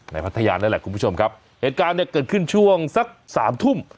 พัทยานั่นแหละคุณผู้ชมครับเหตุการณ์เนี่ยเกิดขึ้นช่วงสักสามทุ่ม